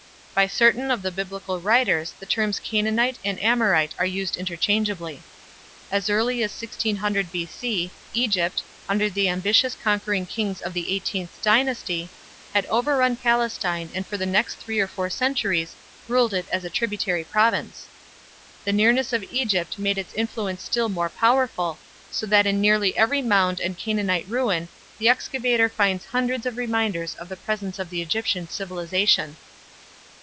By certain of the Biblical writers the terms Canaanite and Amorite are used interchangeably. As early as 1600 B.C. Egypt, under the ambitious conquering kings of the Eighteenth Dynasty, had overrun Palestine and for the next three or four centuries ruled it as a tributary province. The nearness of Egypt made its influence still more powerful, so that in nearly every mound and Canaanite ruin the excavator finds hundreds of reminders of the presence of the Egyptian civilization.